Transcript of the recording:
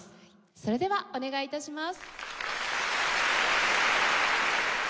それではお願い致します。